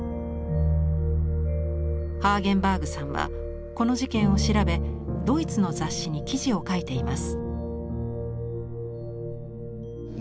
ハーゲンバーグさんはこの事件を調べドイツの雑誌に記事を書いています。